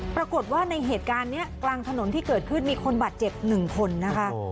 ปรากฏว่าในเหตุการณ์นี้กลางถนนที่เกิดขึ้นมีคนบาดเจ็บ๑คนนะคะ